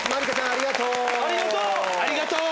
ありがとう！